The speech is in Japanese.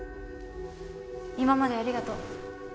今までありがとう。